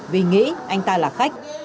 vì nghĩ anh ta là khách